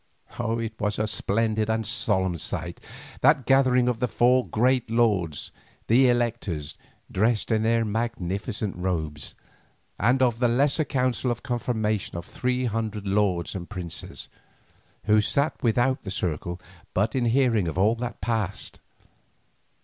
It was a splendid and a solemn sight, that gathering of the four great lords, the electors, dressed in their magnificent robes, and of the lesser council of confirmation of three hundred lords and princes, who sat without the circle but in hearing of all that passed.